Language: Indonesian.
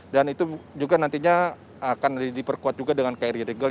dan itu juga nantinya akan diperkuat juga dengan kri regal